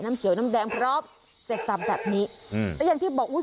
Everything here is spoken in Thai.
เขียวน้ำแดงพร้อมเสร็จสับแบบนี้อืมแล้วอย่างที่บอกอุ้ย